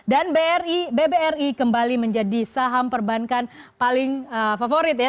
dan bbri kembali menjadi saham perbankan paling favorit ya